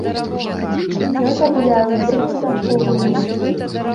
Ён жа гуляе ў вельмі тонкую гульню.